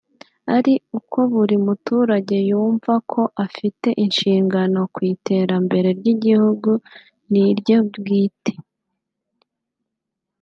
ari uko buri muturage yumva ko afite inshingano ku iterambere ry’igihugu n’irye bwite